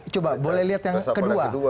coba boleh lihat yang kedua